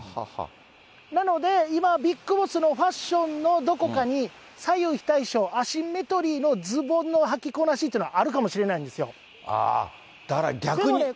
なので、今、ビッグボスのファッションのどこかに左右非対称、アシンメトリーのズボンのはきこなしというのは、あるかもしれなだから逆に。